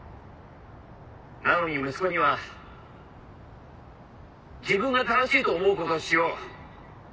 なのに息子には自分が正しいと思うことをしよう。